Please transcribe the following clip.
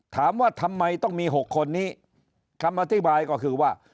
ถามว่าทำไมต้องมี๖คนนี้คำอธิบายก็คือว่า